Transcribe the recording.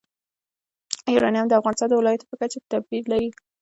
یورانیم د افغانستان د ولایاتو په کچه توپیر لري.